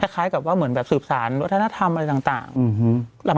คล้ายกับว่าเหมือนแบบสืบสารวัฒนธรรมอะไรต่าง